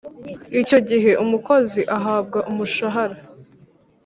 icyo gihe umukozi ahabwa umushahara